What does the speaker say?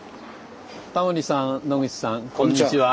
タモリさん野口さんこんにちは。